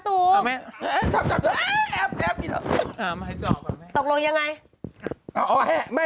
ตกลงยังไง